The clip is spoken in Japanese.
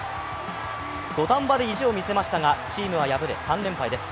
土壇場で意地を見せましたがチームは敗れ、３連敗です。